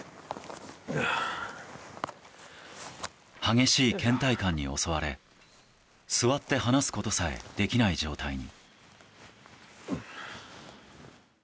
激しい倦怠感に襲われ座って話すことさえできない状態に。